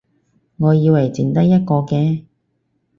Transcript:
我以為剩得一個嘅